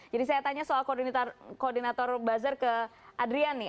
jadi saya tanya soal koordinator buzzer ke adrian nih